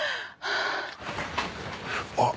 あっ。